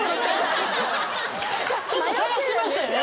ちょっと探してましたよね。